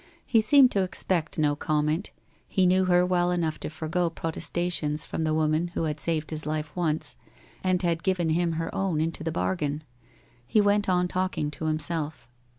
He seemed to expect no com ment, he knew her well enough to forego protestations from the woman who had saved his life once, and had given him her own into the bargain. He went on talking to himself.